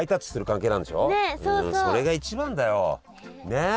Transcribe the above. ねえ。